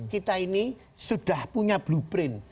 kita ini sudah punya blueprint